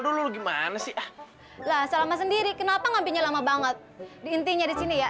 dulu gimana sih lah selama sendiri kenapa ngampinya lama banget di intinya di sini ya